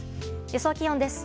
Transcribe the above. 予想気温です。